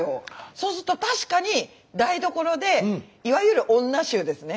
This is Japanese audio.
そうすると確かに台所でいわゆる女衆ですね。